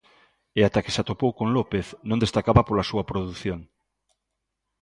E ata que se atopou con López non destacaba pola súa produción.